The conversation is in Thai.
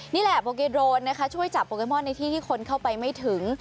นี่แหละโปเกโดรนนะคะช่วยจับโปเกมอนในที่ที่คนเข้าไปไม่ถึง